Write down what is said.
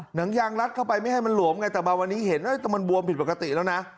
หนังยางรัดเข้าไปไม่ให้มันหลวมไงแต่มาวันนี้เห็นแต่มันบวมผิดปกติแล้วนะ